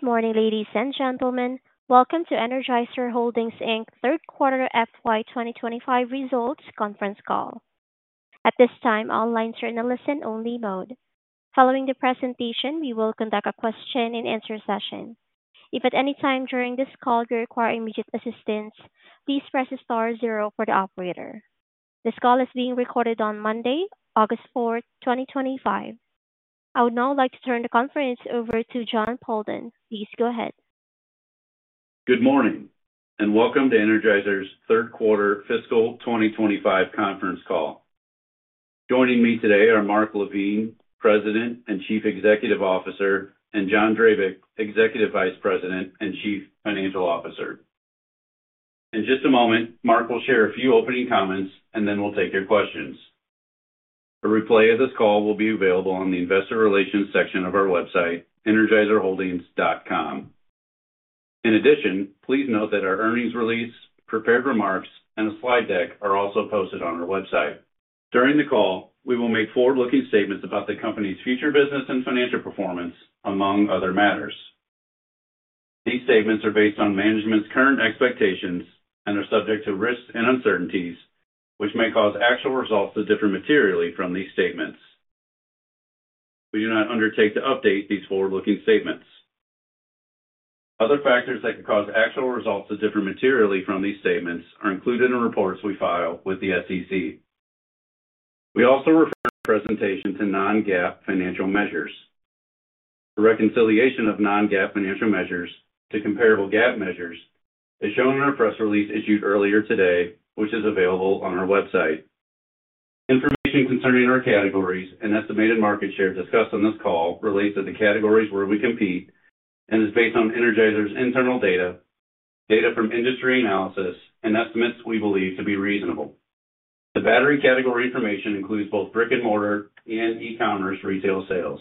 Good morning, ladies and gentlemen. Welcome to Energizer Holdings Inc. Third Quarter FY 2025 Results Conference Call. At this time, the line is in a listen-only mode. Following the presentation, we will conduct a question-and-answer session. If at any time during this call you require immediate assistance, please press the star zero for the operator. This call is being recorded on Monday, August 4, 2025. I would now like to turn the conference over to Jon Poldan. Please go ahead. Good morning and welcome to Energizer's Third Quarter Fiscal 2025 Conference Call. Joining me today are Mark LaVigne, President and Chief Executive Officer, and John Drabik, Executive Vice President and Chief Financial Officer. In just a moment, Mark will share a few opening comments, and then we'll take your questions. A replay of this call will be available on the Investor Relations section of our website, energizerholdings.com. In addition, please note that our earnings release, prepared remarks, and a slide deck are also posted on our website. During the call, we will make forward-looking statements about the company's future business and financial performance, among other matters. These statements are based on management's current expectations and are subject to risks and uncertainties, which may cause actual results to differ materially from these statements. We do not undertake to update these forward-looking statements. Other factors that could cause actual results to differ materially from these statements are included in reports we file with the SEC. We also refer in our presentation to non-GAAP financial measures. The reconciliation of non-GAAP financial measures to comparable GAAP measures is shown in our press release issued earlier today, which is available on our website. Information concerning our categories and estimated market share discussed in this call relates to the categories where we compete and is based on Energizer's internal data, data from industry analysis, and estimates we believe to be reasonable. The battery category information includes both brick and mortar and e-commerce retail sales.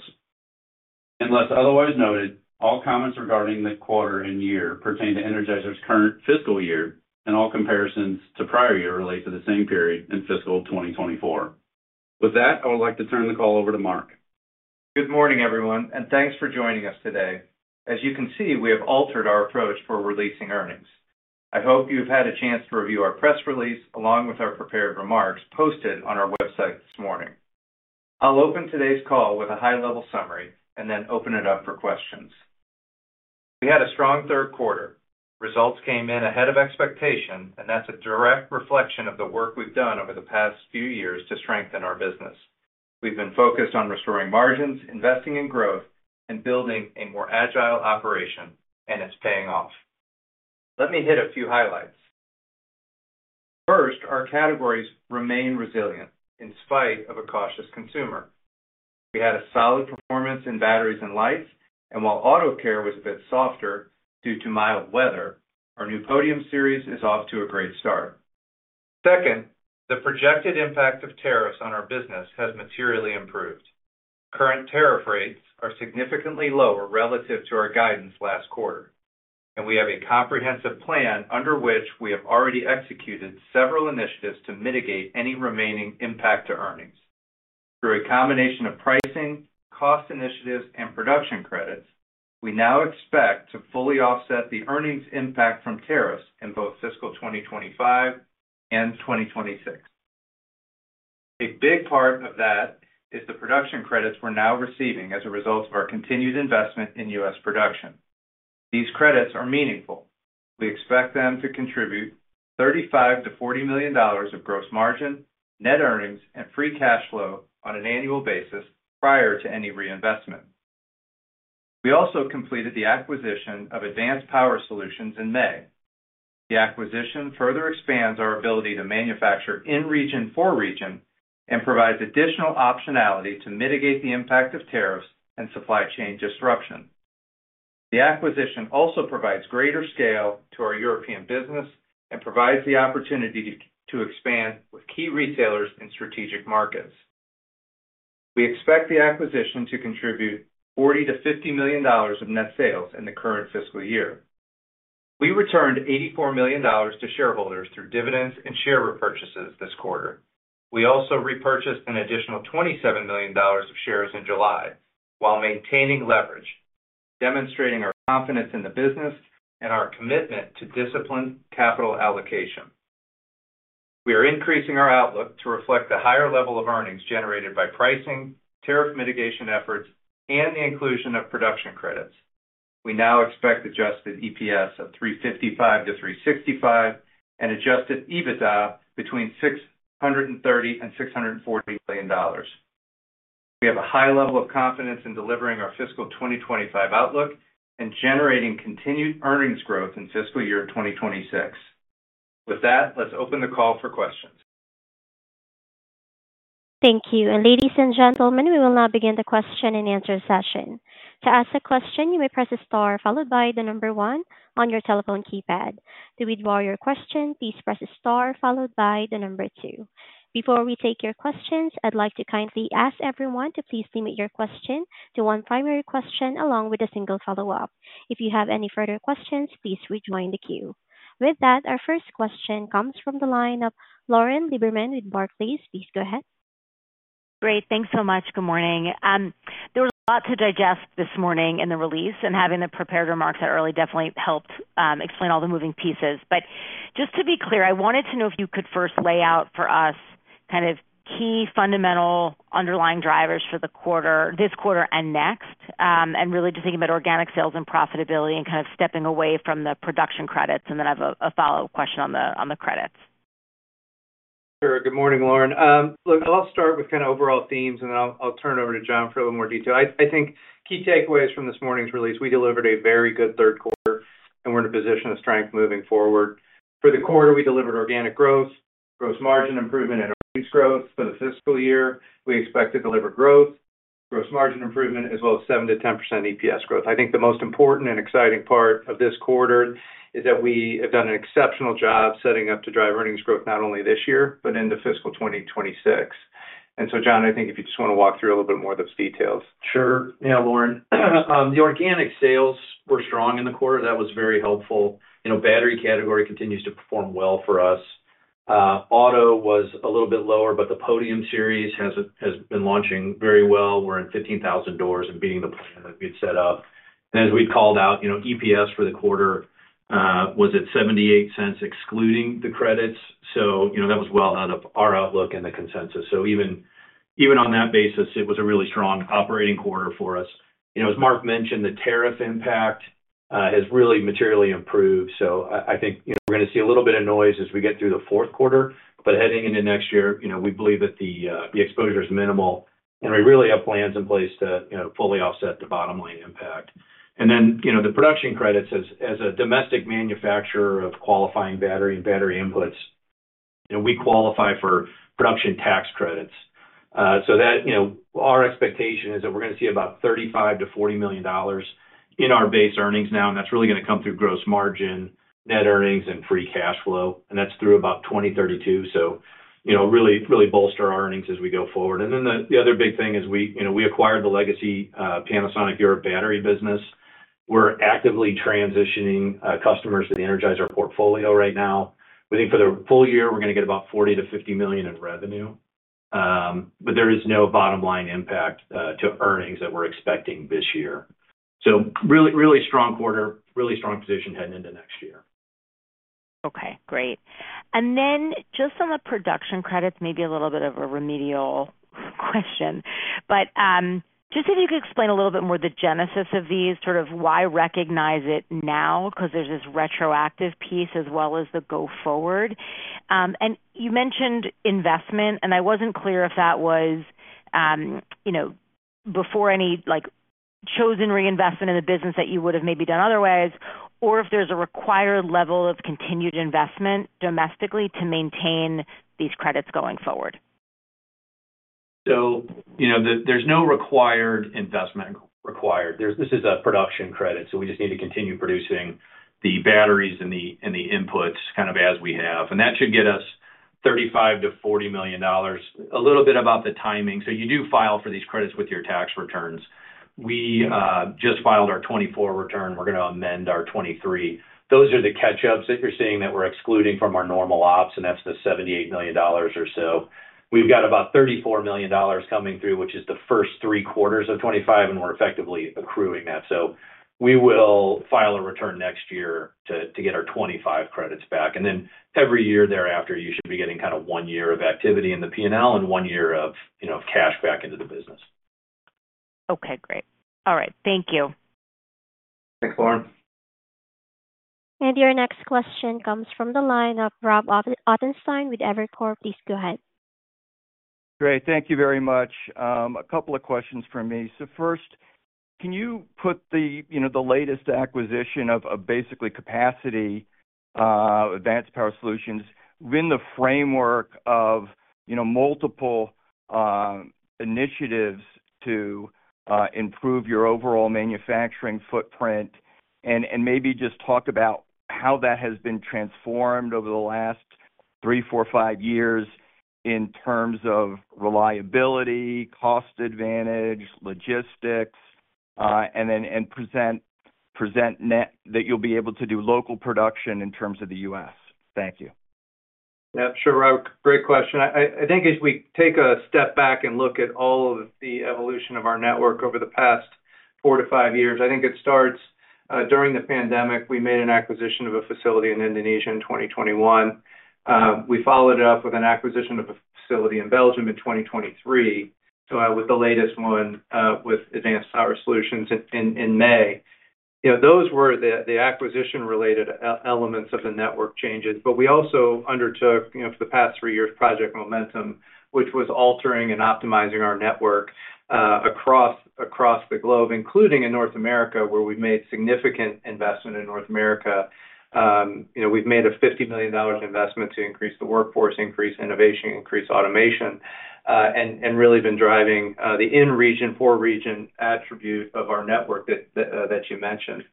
Unless otherwise noted, all comments regarding the quarter and year pertain to Energizer's current fiscal year, and all comparisons to prior year relate to the same period in fiscal 2024. With that, I would like to turn the call over to Mark. Good morning, everyone, and thanks for joining us today. As you can see, we have altered our approach for releasing earnings. I hope you've had a chance to review our press release, along with our prepared remarks posted on our website this morning. I'll open today's call with a high-level summary and then open it up for questions. We had a strong third quarter. Results came in ahead of expectation, and that's a direct reflection of the work we've done over the past few years to strengthen our business. We've been focused on restoring margins, investing in growth, and building a more agile operation, and it's paying off. Let me hit a few highlights. First, our categories remain resilient in spite of a cautious consumer. We had a solid performance in batteries and lights, and while auto care was a bit softer due to mild weather, our new Podium series is off to a great start. Second, the projected impact of tariffs on our business has materially improved. Current tariff rates are significantly lower relative to our guidance last quarter, and we have a comprehensive plan under which we have already executed several initiatives to mitigate any remaining impact to earnings. Through a combination of pricing, cost initiatives, and production credits, we now expect to fully offset the earnings impact from tariffs in both fiscal 2025 and 2026. A big part of that is the production credits we're now receiving as a result of our continued investment in U.S. production. These credits are meaningful. We expect them to contribute $35 million-$40 million of gross margin, net earnings, and free cash flow on an annual basis prior to any reinvestment. We also completed the acquisition of Advanced Power Solutions in May. The acquisition further expands our ability to manufacture in region for region and provides additional optionality to mitigate the impact of tariffs and supply chain disruption. The acquisition also provides greater scale to our European business and provides the opportunity to expand with key retailers in strategic markets. We expect the acquisition to contribute $40 million-$50 million of net sales in the current fiscal year. We returned $84 million to shareholders through dividends and share repurchases this quarter. We also repurchased an additional $27 million of shares in July while maintaining leverage, demonstrating our confidence in the business and our commitment to disciplined capital allocation. We are increasing our outlook to reflect the higher level of earnings generated by pricing, tariff mitigation efforts, and the inclusion of production credits. We now expect adjusted EPS of $3.55-$3.65 and adjusted EBITDA between $630 million and $640 million. We have a high level of confidence in delivering our fiscal 2025 outlook and generating continued earnings growth in fiscal year 2026. With that, let's open the call for questions. Thank you. Ladies and gentlemen, we will now begin the question-and-answer session. To ask a question, you may press star followed by the number one on your telephone keypad. To withdraw your question, please press star followed by the number two. Before we take your questions, I'd like to kindly ask everyone to please limit your question to one primary question along with a single follow-up. If you have any further questions, please rejoin the queue. With that, our first question comes from the line of Lauren Lieberman with Barclays. Please go ahead. Great. Thanks so much. Good morning. There was a lot to digest this morning in the release, and having the prepared remarks that early definitely helped explain all the moving pieces. Just to be clear, I wanted to know if you could first lay out for us kind of key fundamental underlying drivers for the quarter, this quarter and next, and really just thinking about organic sales and profitability and kind of stepping away from the production credits. I have a follow-up question on the credits. Sure. Good morning, Lauren. I'll start with overall themes, and then I'll turn it over to Jon for a little more detail. Key takeaways from this morning's release: we delivered a very good third quarter, and we're in a position of strength moving forward. For the quarter, we delivered organic growth, gross margin improvement, and earnings growth. For the fiscal year, we expect to deliver growth, gross margin improvement, as well as 7%-10% EPS growth. The most important and exciting part of this quarter is that we have done an exceptional job setting up to drive earnings growth not only this year, but into fiscal 2026. John, if you just want to walk through a little bit more of those details. Sure. Yeah, Lauren, the organic sales were strong in the quarter. That was very helpful. You know, battery category continues to perform well for us. Auto was a little bit lower, but the Podium series has been launching very well. We're in 15,000 doors and beating the plan that we'd set up. As we called out, you know, EPS for the quarter was at $0.78, excluding the credits. That was well out of our outlook and the consensus. Even on that basis, it was a really strong operating quarter for us. As Mark mentioned, the tariff impact has really materially improved. I think we're going to see a little bit of noise as we get through the fourth quarter. Heading into next year, we believe that the exposure is minimal, and we really have plans in place to fully offset the bottom line impact. The production credits, as a domestic manufacturer of qualifying battery and battery inputs, you know, we qualify for U.S. production tax credits. Our expectation is that we're going to see about $35 million-$40 million in our base earnings now, and that's really going to come through gross margin, net earnings, and free cash flow, and that's through about 2032. That will really bolster our earnings as we go forward. The other big thing is we acquired the legacy Panasonic Europe battery business. We're actively transitioning customers that Energizer portfolio right now. We think for the full year, we're going to get about $40 million-$50 million of revenue, but there is no bottom line impact to earnings that we're expecting this year. Really, really strong quarter, really strong position heading into next year. Okay, great. Just on the production credits, maybe a little bit of a remedial question, but if you could explain a little bit more the genesis of these, sort of why recognize it now, because there's this retroactive piece as well as the go forward. You mentioned investment, and I wasn't clear if that was, you know, before any, like, chosen reinvestment in the business that you would have maybe done otherwise, or if there's a required level of continued investment domestically to maintain these credits going forward. There is no required investment required. This is a production credit, so we just need to continue producing the batteries and the inputs kind of as we have. That should get us $35 million-$40 million. A little bit about the timing. You do file for these credits with your tax returns. We just filed our 2024 return. We're going to amend our 2023. Those are the catch-ups that you're seeing that we're excluding from our normal ops, and that's the $78 million or so. We've got about $34 million coming through, which is the first three quarters of 2025, and we're effectively accruing that. We will file a return next year to get our 2025 credits back. Every year thereafter, you should be getting kind of one year of activity in the P&L and one year of cash back into the business. Okay, great. All right. Thank you. Thanks, Lauren. Your next question comes from the line of Rob Ottenstein with Evercore. Please go ahead. Great. Thank you very much. A couple of questions from me. First, can you put the latest acquisition of basically capacity, Advanced Power Solutions, within the framework of multiple initiatives to improve your overall manufacturing footprint? Maybe just talk about how that has been transformed over the last three, four, five years in terms of reliability, cost advantage, logistics, and then present net that you'll be able to do local production in terms of the U.S. Thank you. Yeah, sure, Rob. Great question. I think as we take a step back and look at all of the evolution of our network over the past four to five years, I think it starts during the pandemic. We made an acquisition of a facility in Indonesia in 2021. We followed it up with an acquisition of a facility in Belgium in 2023, with the latest one, with Advanced Power Solutions in May. Those were the acquisition-related elements of the network changes, but we also undertook, for the past three years, project momentum, which was altering and optimizing our network across the globe, including in North America, where we've made significant investment in North America. We've made a $50 million investment to increase the workforce, increase innovation, increase automation, and really been driving the in-region for region attributes of our network that you mentioned.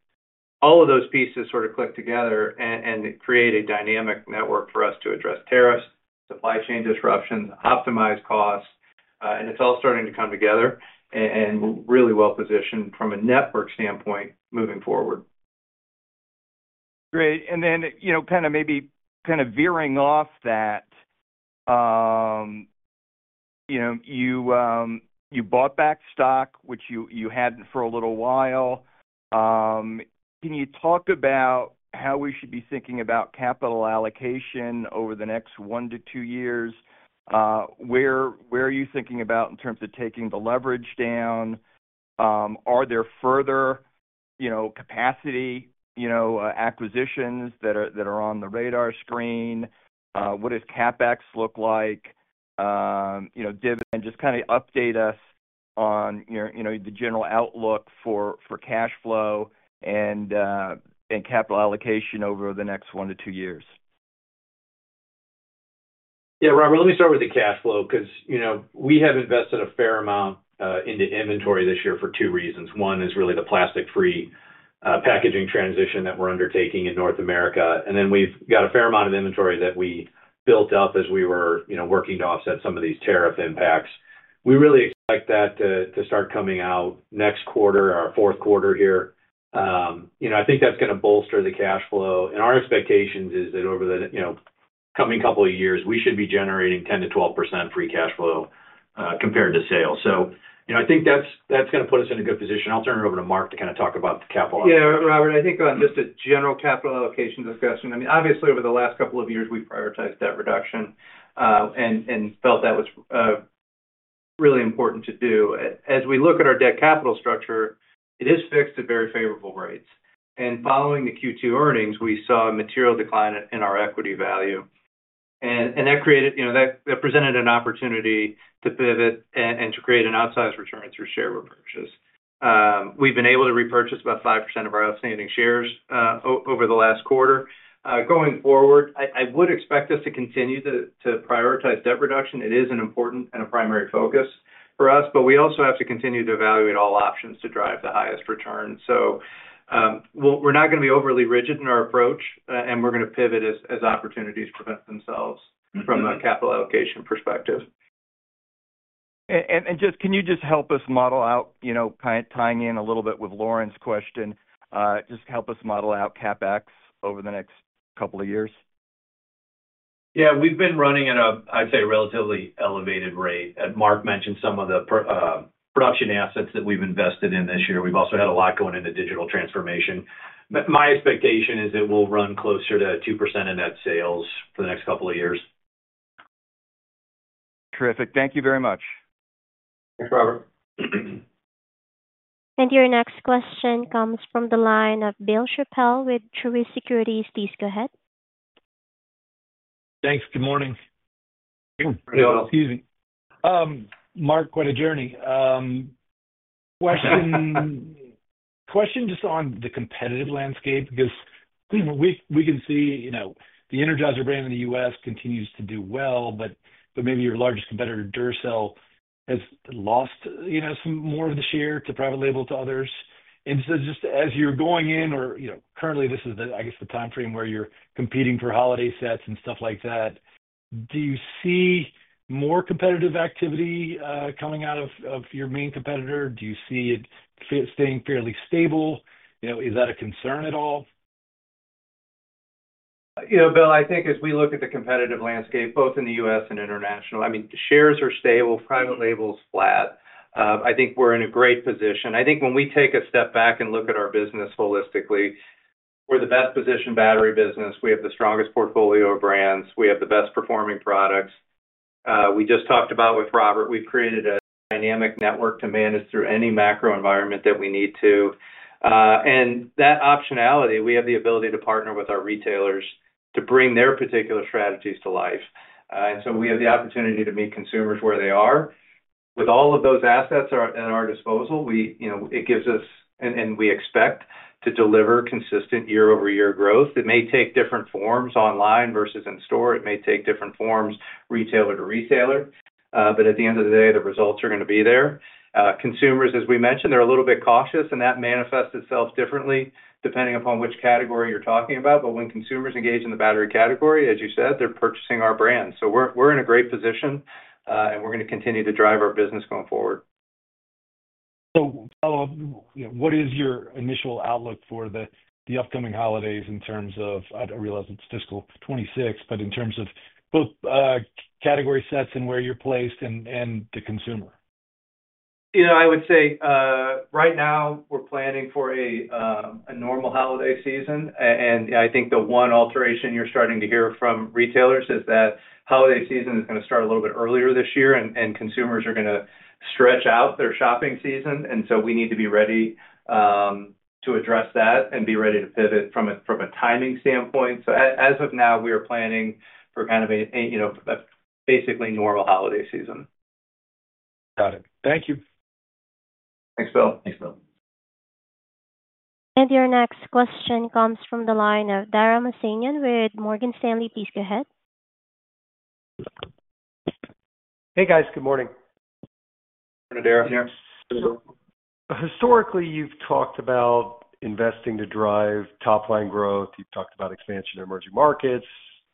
All of those pieces sort of click together and create a dynamic network for us to address tariffs, supply chain disruptions, optimize costs, and it's all starting to come together and really well positioned from a network standpoint moving forward. Great. Maybe veering off that, you bought back stock, which you hadn't for a little while. Can you talk about how we should be thinking about capital allocation over the next one to two years? Where are you thinking about in terms of taking the leverage down? Are there further capacity acquisitions that are on the radar screen? What does CapEx look like? Just update us on the general outlook for cash flow and capital allocation over the next one to two years. Yeah, Rob, let me start with the cash flow because we have invested a fair amount into inventory this year for two reasons. One is really the plastic-free packaging transition that we're undertaking in North America. Then we've got a fair amount of inventory that we built up as we were working to offset some of these tariff impacts. We really expect that to start coming out next quarter, our fourth quarter here. I think that's going to bolster the cash flow. Our expectation is that over the coming couple of years, we should be generating 10%-12% free cash flow compared to sales. I think that's going to put us in a good position. I'll turn it over to Mark to kind of talk about the capital allocation. Yeah, Robert, I think on just a general capital allocation discussion, I mean, obviously, over the last couple of years, we prioritized debt reduction and felt that was really important to do. As we look at our debt capital structure, it is fixed at very favorable rates. Following the Q2 earnings, we saw a material decline in our equity value. That created, you know, that presented an opportunity to pivot and to create an optimized return through share repurchases. We've been able to repurchase about 5% of our outstanding shares over the last quarter. Going forward, I would expect us to continue to prioritize debt reduction. It is an important and a primary focus for us, but we also have to continue to evaluate all options to drive the highest return. We're not going to be overly rigid in our approach, and we're going to pivot as opportunities present themselves from a capital allocation perspective. Can you just help us model out, you know, tying in a little bit with Lauren's question, just help us model out CapEx over the next couple of years? Yeah, we've been running at a, I'd say, a relatively elevated rate. Mark mentioned some of the production assets that we've invested in this year. We've also had a lot going into digital transformation. My expectation is that we'll run closer to 2% in net sales for the next couple of years. Terrific. Thank you very much. Your next question comes from the line of Bill Chappell with Truist Securities. Please go ahead. Thanks. Good morning. Mark, what a journey. Question just on the competitive landscape because we can see, you know, the Energizer brand in the U.S. continues to do well, but maybe your largest competitor, Duracell, has lost, you know, some more of the share to private label to others. Just as you're going in, or, you know, currently this is the, I guess, the timeframe where you're competing for holiday sets and stuff like that, do you see more competitive activity coming out of your main competitor? Do you see it staying fairly stable? Is that a concern at all? You know, Bill, I think as we look at the competitive landscape, both in the U.S. and international, the shares are stable, private label is flat. I think we're in a great position. I think when we take a step back and look at our business holistically, we're the best positioned battery business. We have the strongest portfolio of brands. We have the best performing products. We just talked about with Robert, we've created a dynamic network to manage through any macro environment that we need to. That optionality, we have the ability to partner with our retailers to bring their particular strategies to life. We have the opportunity to meet consumers where they are. With all of those assets at our disposal, it gives us, and we expect to deliver consistent year-over-year growth. It may take different forms online versus in store. It may take different forms retailer to retailer. At the end of the day, the results are going to be there. Consumers, as we mentioned, they're a little bit cautious, and that manifests itself differently depending upon which category you're talking about. When consumers engage in the battery category, as you said, they're purchasing our brand. We're in a great position, and we're going to continue to drive our business going forward. What is your initial outlook for the upcoming holidays in terms of, I realize it's fiscal 2026, but in terms of both category sets and where you're placed and the consumer? I would say right now we're planning for a normal holiday season. I think the one alteration you're starting to hear from retailers is that holiday season is going to start a little bit earlier this year, and consumers are going to stretch out their shopping season. We need to be ready to address that and be ready to pivot from a timing standpoint. As of now, we are planning for basically a normal holiday season. Got it. Thank you. Thanks, Bill. Your next question comes from the line of Dara Mohsenian with Morgan Stanley. Please go ahead. Hey guys, good morning. Morning, Dara. Historically, you've talked about investing to drive top-line growth. You've talked about expansion to emerging markets,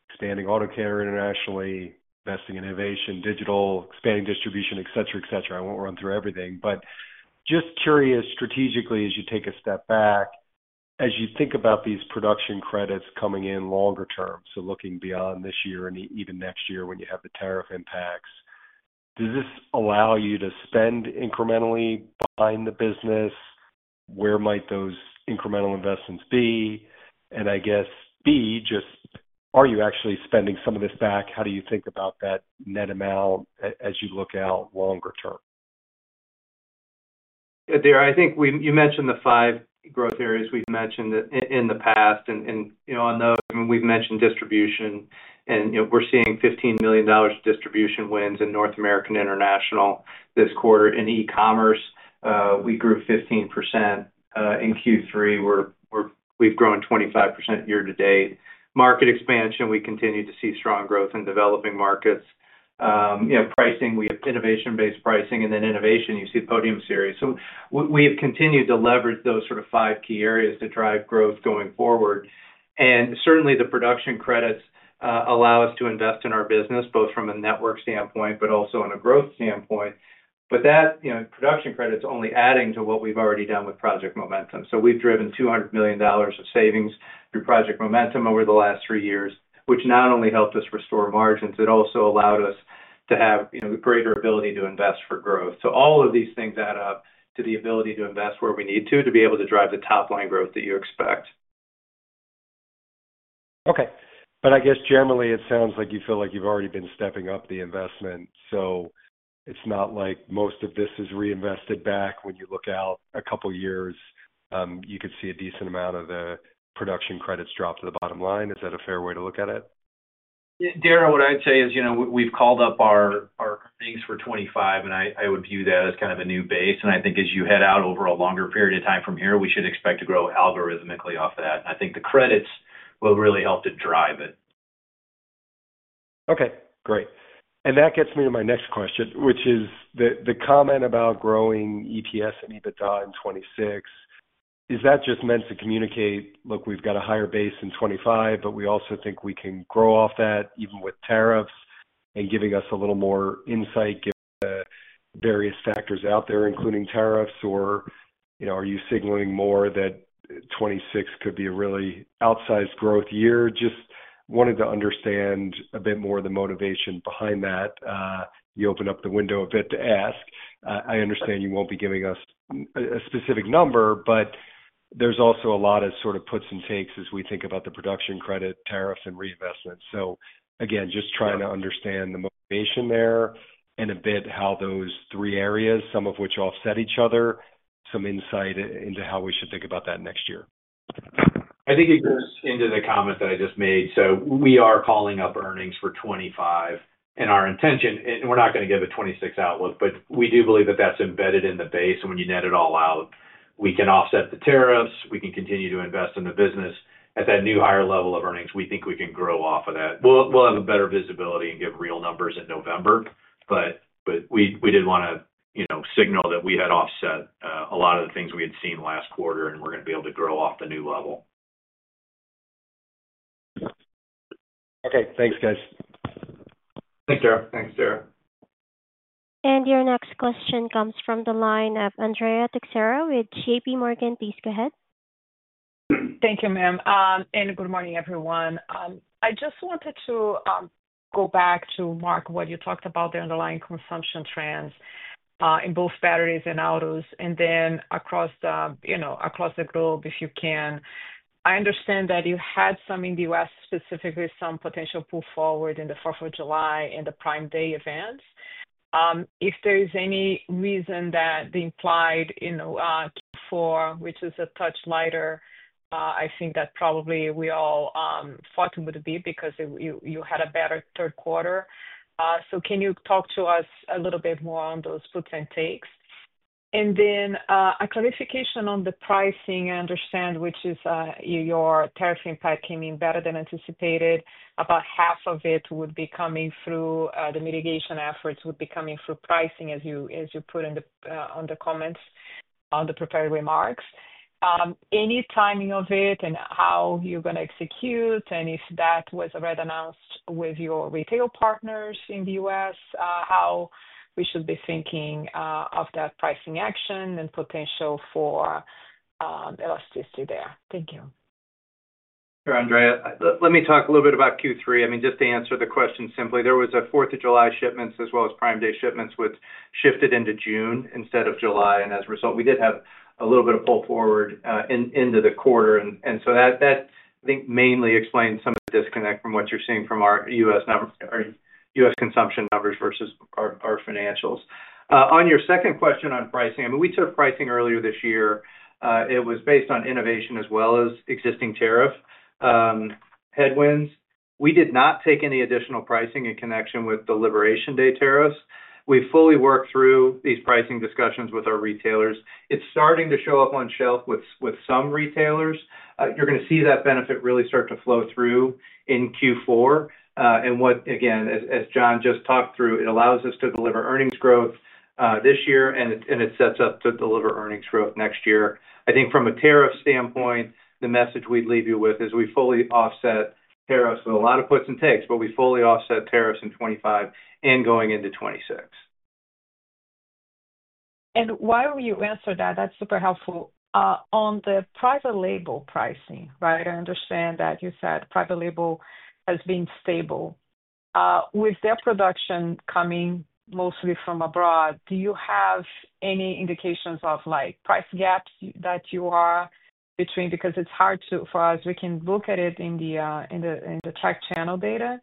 expanding auto care internationally, investing in innovation, digital, expanding distribution, et cetera, et cetera. I won't run through everything, but just curious, strategically, as you take a step back, as you think about these U.S. production tax credits coming in longer term, looking beyond this year and even next year when you have the tariff impacts, does this allow you to spend incrementally behind the business? Where might those incremental investments be? I guess, B, are you actually spending some of this back? How do you think about that net amount as you look out longer term? Yeah, Dara, I think you mentioned the five growth areas we've mentioned in the past, and on those, we've mentioned distribution, and we're seeing $15 million of distribution wins in North American and international this quarter. In e-commerce, we grew 15% in Q3. We've grown 25% year to date. Market expansion, we continue to see strong growth in developing markets. Pricing, we have innovation-based pricing, and then innovation, you see Podium series. We have continued to leverage those sort of five key areas to drive growth going forward. Certainly, the production credits allow us to invest in our business, both from a network standpoint, but also on a growth standpoint. That production credit is only adding to what we've already done with project momentum. We've driven $200 million of savings through project momentum over the last three years, which not only helped us restore margins, it also allowed us to have the greater ability to invest for growth. All of these things add up to the ability to invest where we need to, to be able to drive the top-line growth that you expect. Okay. I guess generally, it sounds like you feel like you've already been stepping up the investment, so it's not like most of this is reinvested back when you look out a couple of years. You could see a decent amount of the production credits drop to the bottom line. Is that a fair way to look at it? Yeah. Dara, what I'd say is, you know, we've called up our earnings for 2025, and I would view that as kind of a new base. I think as you head out over a longer period of time from here, we should expect to grow algorithmically off that. I think the credits will really help to drive it. Okay, great. That gets me to my next question, which is the comment about growing EPS and EBITDA in 2026. Is that just meant to communicate, look, we've got a higher base in 2025, but we also think we can grow off that even with tariffs and giving us a little more insight given the various factors out there, including tariffs? Are you signaling more that 2026 could be a really outsized growth year? Just wanted to understand a bit more of the motivation behind that. You opened up the window a bit to ask. I understand you won't be giving us a specific number, but there's also a lot of sort of puts and takes as we think about the production credit, tariffs, and reinvestments. Again, just trying to understand the motivation there and a bit how those three areas, some of which offset each other, some insight into how we should think about that next year. I think it goes into the comment that I just made. We are calling up earnings for 2025, and our intention, we're not going to give a 2026 outlook, but we do believe that that's embedded in the base. When you net it all out, we can offset the tariffs. We can continue to invest in the business. At that new higher level of earnings, we think we can grow off of that. We'll have better visibility and give real numbers in November. We did want to signal that we had offset a lot of the things we had seen last quarter, and we're going to be able to grow off the new level. Okay, thanks, guys. Thanks, Dara. Your next question comes from the line of Andrea Teixeira with JPMorgan. Please go ahead. Thank you, ma'am. Good morning, everyone. I just wanted to go back to Mark, what you talked about, the underlying consumption trends in both batteries and auto care, and then across the globe, if you can. I understand that you had some in the U.S., specifically some potential pull forward in the Fourth of July and the Prime Day events. If there is any reason that they implied, for which is a touch lighter, I think that probably we all thought it would be because you had a better third quarter. Can you talk to us a little bit more on those puts and takes? A clarification on the pricing, I understand, which is your tariff impact came in better than anticipated. About half of it would be coming through the mitigation efforts, would be coming through pricing, as you put in the comments on the prepared remarks. Any timing of it and how you're going to execute, and if that was already announced with your retail partners in the U.S., how we should be thinking of that pricing action and potential for elasticity there. Thank you. Sure, Andrea. Let me talk a little bit about Q3. Just to answer the question simply, there was a Fourth of July shipments as well as Prime Day shipments which shifted into June instead of July. As a result, we did have a little bit of pull forward into the quarter. That, I think, mainly explains some disconnect from what you're seeing from our U.S. consumption numbers versus our financials. On your second question on pricing, we took pricing earlier this year. It was based on innovation as well as existing tariff headwinds. We did not take any additional pricing in connection with the Liberation Day tariffs. We fully worked through these pricing discussions with our retailers. It's starting to show up on shelf with some retailers. You're going to see that benefit really start to flow through in Q4. What, again, as John just talked through, it allows us to deliver earnings growth this year, and it sets up to deliver earnings growth next year. I think from a tariff standpoint, the message we leave you with is we fully offset tariffs with a lot of puts and takes, but we fully offset tariffs in 2025 and going into 2026. That's super helpful. On the private label pricing, I understand that you said private label has been stable. With their production coming mostly from abroad, do you have any indications of price gaps that you are between? It's hard for us; we can look at it in the tech channel data,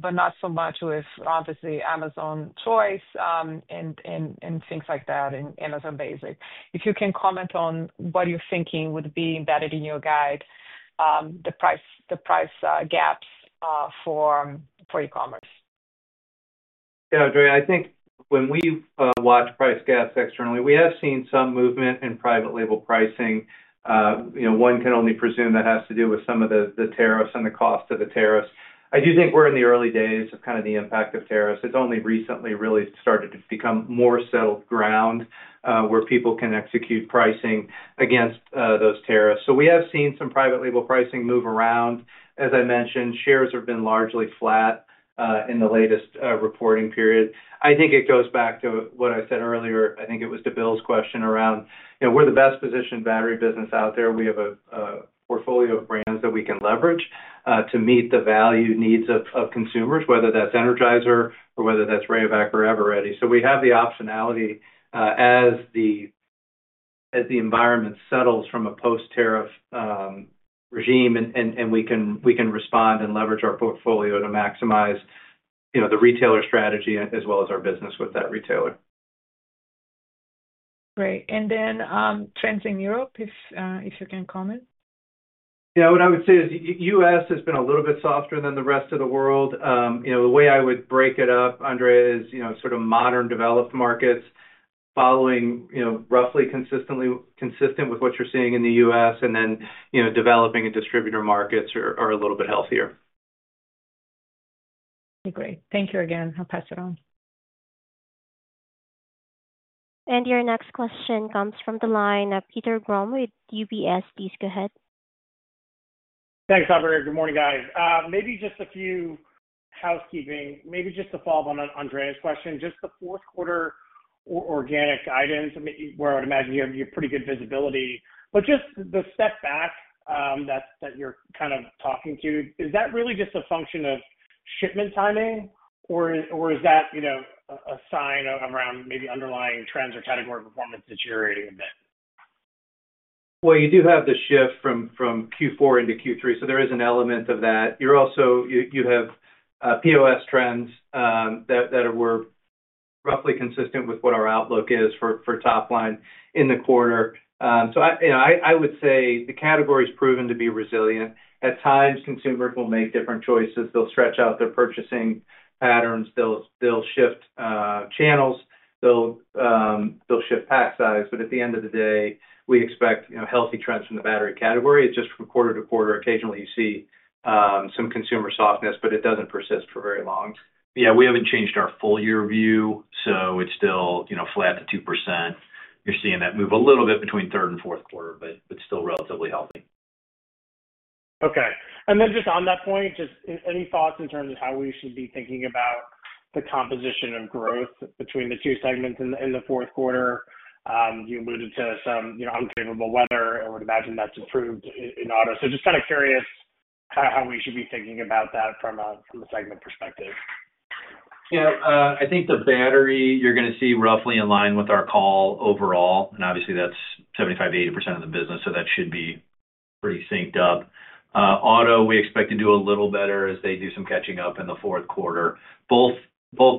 but not so much with obviously Amazon Choice and things like that and Amazon Basic. If you can comment on what you're thinking would be embedded in your guide, the price gaps for e-commerce. Yeah, Andrea, I think when we watch price gaps externally, we have seen some movement in private label pricing. One can only presume that has to do with some of the tariffs and the cost of the tariffs. I do think we're in the early days of the impact of tariffs. It's only recently really started to become more settled ground where people can execute pricing against those tariffs. We have seen some private label pricing move around. As I mentioned, shares have been largely flat in the latest reporting period. I think it goes back to what I said earlier. I think it was to Bill's question around, you know, we're the best positioned battery business out there. We have a portfolio of brands that we can leverage to meet the value needs of consumers, whether that's Energizer or whether that's Rayovac or Eveready. We have the optionality as the environment settles from a post-tariff regime, and we can respond and leverage our portfolio to maximize the retailer strategy as well as our business with that retailer. Great, if you can comment on trends in Europe. Yeah, what I would say is the U.S. has been a little bit softer than the rest of the world. The way I would break it up, Andrea, is sort of modern developed markets following roughly consistent with what you're seeing in the U.S., and then developing and distributor markets are a little bit healthier. Great. Thank you again. I'll pass it on. Your next question comes from the line of Peter Grom with UBS. Please go ahead. Thanks, Robert. Good morning, guys. Maybe just a few housekeeping, maybe just to follow up on Andrea's question, just the fourth quarter or organic guidance. I mean, where I would imagine you have pretty good visibility, but just the step back that you're kind of talking to, is that really just a function of shipment timing, or is that, you know, a sign of around maybe underlying trends or category performance deteriorating a bit? You do have the shift from Q4 into Q3, so there is an element of that. You're also, you have POS trends that were roughly consistent with what our outlook is for top line in the quarter. I would say the category has proven to be resilient. At times, consumers will make different choices. They'll stretch out their purchasing patterns, shift channels, and shift pack size. At the end of the day, we expect healthy trends in the battery category. It's just from quarter-to-quarter. Occasionally, you see some consumer softness, but it doesn't persist for very long. Yeah, we haven't changed our full-year view, so it's still, you know, flat to 2%. You're seeing that move a little bit between third and fourth quarter, but still relatively healthy. Okay. Just on that point, any thoughts in terms of how we should be thinking about the composition of growth between the two segments in the fourth quarter? You alluded to some unfavorable weather. I would imagine that's improved in auto. Just kind of curious how we should be thinking about that from a segment perspective. Yeah, I think the battery you're going to see roughly in line with our call overall. Obviously, that's 75%-80% of the business, so that should be pretty synced up. Auto, we expect to do a little better as they do some catching up in the fourth quarter. Both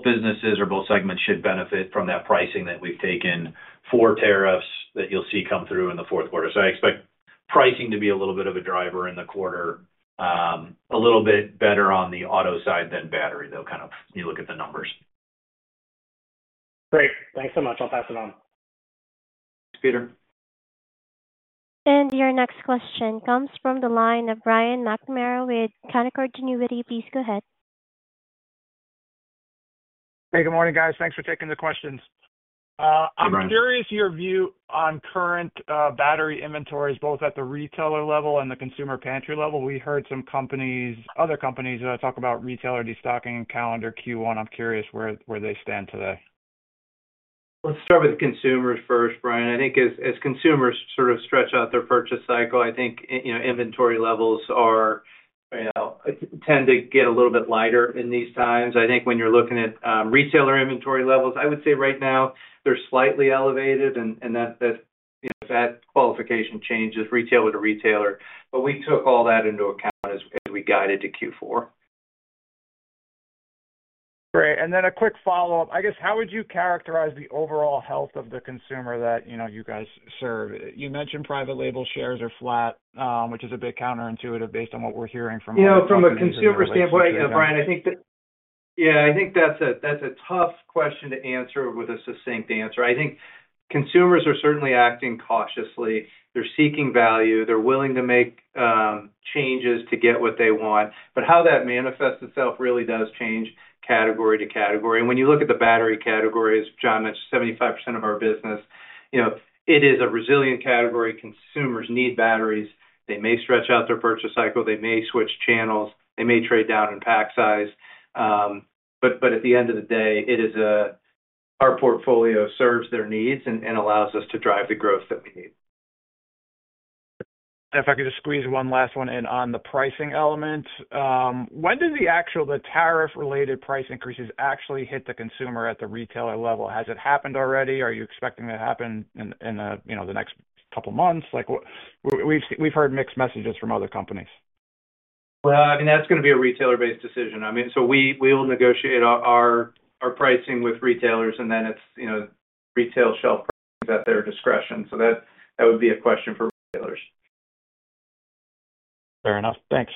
businesses or both segments should benefit from that pricing that we've taken for tariffs that you'll see come through in the fourth quarter. I expect pricing to be a little bit of a driver in the quarter, a little bit better on the auto side than battery, though, kind of you look at the numbers. Great, thanks so much. I'll pass it on. Thanks, Peter. Your next question comes from the line of Brian McNamara with Canaccord Genuity. Please go ahead. Hey, good morning, guys. Thanks for taking the questions. I'm curious your view on current battery inventories, both at the retailer level and the consumer pantry level. We heard some companies, other companies talk about retailer destocking calendar Q1. I'm curious where they stand today. Let's start with the consumers first, Brian. I think as consumers sort of stretch out their purchase cycle, inventory levels tend to get a little bit lighter in these times. When you're looking at retailer inventory levels, I would say right now they're slightly elevated and that qualification changes retailer to retailer. We took all that into account as we guided to Q4. Great. And then a quick follow-up. I guess how would you characterize the overall health of the consumer that you guys serve? You mentioned private label shares are flat, which is a bit counterintuitive based on what we're hearing from consumers. From a consumer standpoint, Brian, I think that's a tough question to answer with a succinct answer. Consumers are certainly acting cautiously. They're seeking value. They're willing to make changes to get what they want. How that manifests itself really does change category to category. When you look at the battery categories, John, that's 75% of our business. It is a resilient category. Consumers need batteries. They may stretch out their purchase cycle. They may switch channels. They may trade down in pack size. At the end of the day, our portfolio serves their needs and allows us to drive the growth that we need. If I could just squeeze one last one in on the pricing element. When do the actual tariff-related price increases actually hit the consumer at the retailer level? Has it happened already? Are you expecting it to happen in the next couple of months? We've heard mixed messages from other companies. That's going to be a retailer-based decision. We will negotiate our pricing with retailers, and then it's retail shelf at their discretion. That would be a question for retailers. Fair enough. Thanks.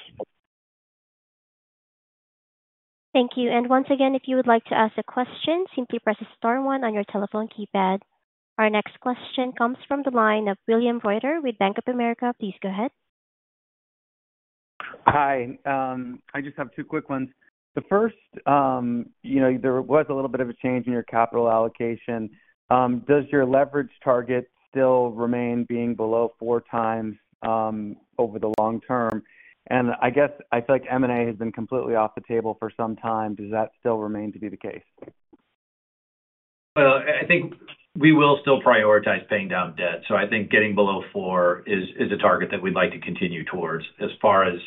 Thank you. If you would like to ask a question, simply press star one on your telephone keypad. Our next question comes from the line of William Reuter with Bank of America. Please go ahead. Hi. I just have two quick ones. The first, there was a little bit of a change in your capital allocation. Does your leverage target still remain being below four times over the long term? I guess I feel like M&A has been completely off the table for some time. Does that still remain to be the case? I think we will still prioritize paying down debt. I think getting below four is a target that we'd like to continue towards. As far as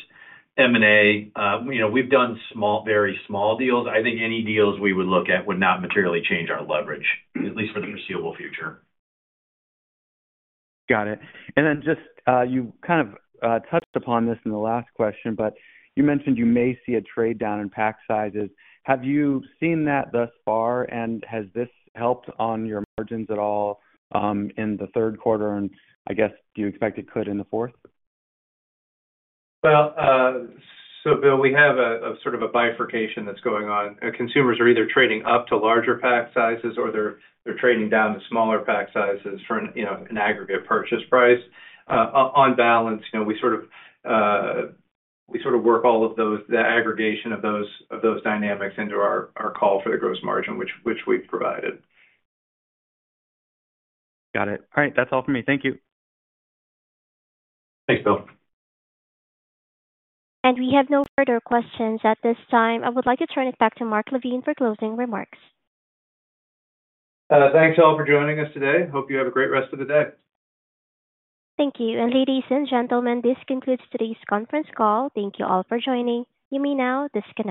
M&A, you know, we've done small, very small deals. I think any deals we would look at would not materially change our leverage, at least for the foreseeable future. Got it. You kind of touched upon this in the last question, but you mentioned you may see a trade down in pack sizes. Have you seen that thus far? Has this helped on your margins at all in the third quarter? I guess do you expect it could in the fourth? Bill, we have a sort of a bifurcation that's going on. Consumers are either trading up to larger pack sizes or they're trading down to smaller pack sizes for an aggregate purchase price. On balance, we sort of work all of those, the aggregation of those dynamics into our call for the gross margin, which we've provided. Got it. All right. That's all for me. Thank you. Thanks, Bill. We have no further questions at this time. I would like to turn it back to Mark LaVigne for closing remarks. Thanks all for joining us today. Hope you have a great rest of the day. Thank you. Ladies and gentlemen, this concludes today's conference call. Thank you all for joining. You may now disconnect.